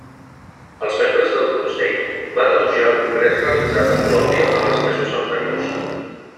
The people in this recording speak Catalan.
Els membres del Consell van elogiar el progrés realitzat a Colòmbia en els mesos anteriors.